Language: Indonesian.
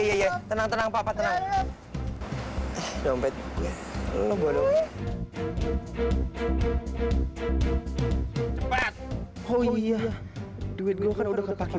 oh iya iya tenang tenang papa tenang dompet lo bodoh cepat oh iya duit gua kan udah kepake